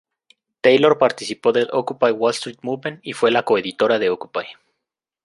Taylor participó del Occupy Wall Street Movement y fue la co-editora de Occupy!